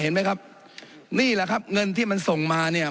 เห็นไหมครับนี่แหละครับเงินที่มันส่งมาเนี่ย